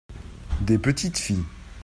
des petites filles.